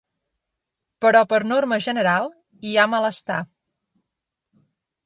Però per norma general hi ha malestar.